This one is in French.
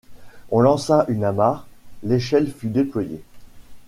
On lança une amarre, l’échelle fut déployée.